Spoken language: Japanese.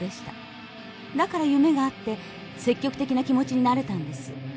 だから夢があって積極的な気持ちになれたんです。